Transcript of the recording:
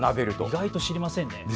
意外と知りませんね。